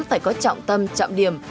phải có trọng tâm trọng điểm